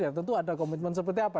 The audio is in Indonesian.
ya tentu ada komitmen seperti apa